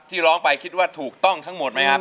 ร้องไปคิดว่าถูกต้องทั้งหมดไหมครับ